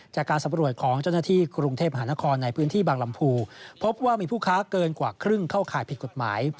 จากการสำรวจของเจ้าหน้าที่กรุงเทพมหานครในพื้นที่บางลำพูพบว่ามีผู้ค้าเกินกว่าครึ่งเข้าข่ายผิดกฎหมาย